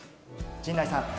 陣内さん。